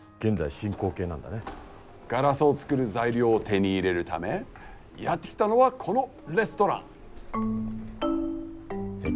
ガラスを作る材料を手に入れるためやって来たのはこのレストラン。